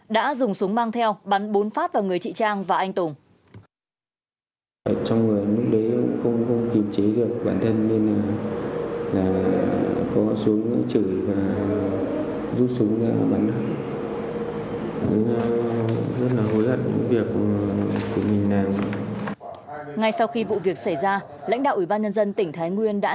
đã dùng súng mang theo bắn bốn phát vào người chị trang và anh tùng